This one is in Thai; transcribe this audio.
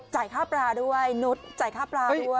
จ่ายค่าปลาด้วยนุฏจ่ายค่าปลาด้วย